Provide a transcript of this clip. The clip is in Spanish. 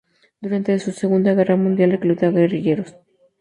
Durante de Segunda Guerra Mundial recluta guerrilleros.